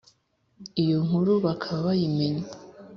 Iyo nkuru bakaba bayimenye